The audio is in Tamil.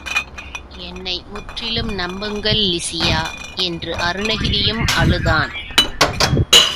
என்னை முற்றிலும் நம்புங்கள் லிசியா! என்று அருணகிரியும் அழுதான்.